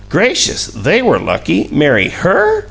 Gracious! they were lucky! Marry HER?